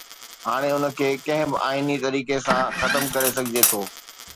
هاڻي ان کي ڪنهن به آئيني طريقي سان ختم ڪري سگهجي ٿو.